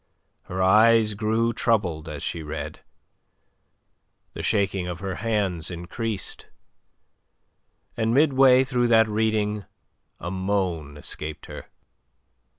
Her eyes grew troubled as she read; the shaking of her hands increased, and midway through that reading a moan escaped her.